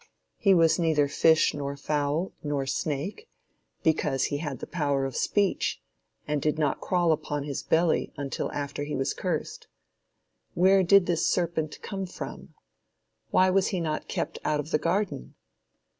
He was neither fish nor fowl, nor snake, because he had the power of speech, and did not crawl upon his belly until after he was cursed. Where did this serpent come from? Why was he not kept out of the garden?